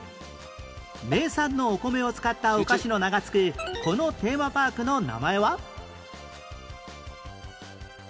名産のお米を使ったお菓子の名が付くこのテーマパークの名前は？